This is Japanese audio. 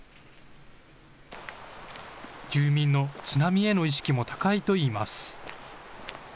住民の津波への意識も高いといいます。